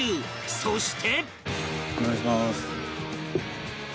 そして